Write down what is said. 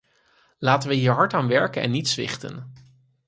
Laten wij hier hard aan werken en niet zwichten!